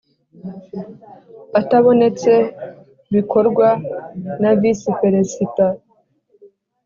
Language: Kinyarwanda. Atabonetse bikorwa na visi peresida